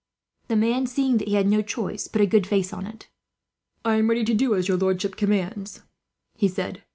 The man, seeing that he had no choice, put a good face on it. "I am ready to do as your lordship commands," he said.